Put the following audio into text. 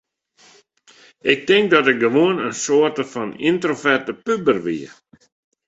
Ik tink dat ik gewoan in soarte fan yntroverte puber wie.